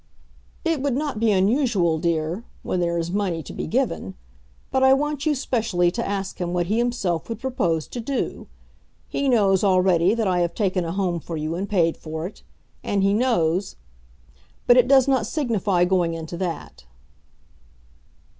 "It would not be unusual, dear, when there is money to be given. But I want you specially to ask him what he himself would propose to do. He knows already that I have taken a home for you and paid for it, and he knows . But it does not signify going into that."